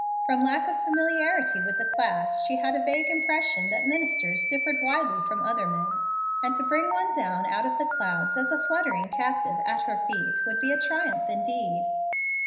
From lack of familiarity with the class, she had a vague impression that ministers differed widely from other men, and to bring one down out of the clouds as a fluttering captive at her feet would be a triumph indeed.